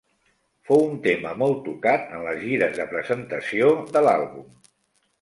Fou un tema molt tocat en les gires de presentació de l'àlbum.